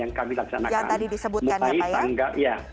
yang tadi disebutkan ya pak ya